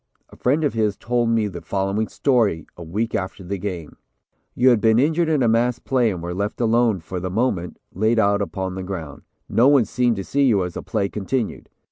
A friend of his told me the following story a week after the game: "You had been injured in a mass play and were left alone, for the moment, laid out upon the ground. No one seemed to see you as the play continued.